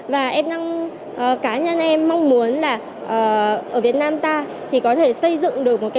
và em cá nhân em mong muốn là ở việt nam ta thì có thể xây dựng được